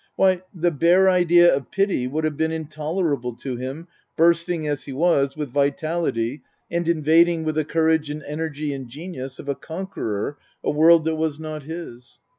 Why, the bare idea of pity would have been intolerable to him, bursting, as he was, with vitality and invading with the courage and energy and genius of a conqueror a world that was not his.